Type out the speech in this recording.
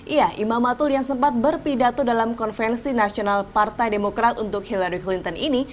iya imam matul yang sempat berpidato dalam konvensi nasional partai demokrat untuk hillary clinton ini